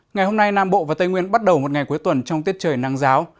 ngày hôm nay nam bộ và tây nguyên bắt đầu một ngày cuối tuần trong tiết trời nắng giáo